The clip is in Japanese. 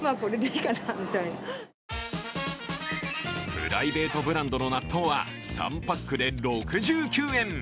プライベートブランドの納豆は３パックで６９円。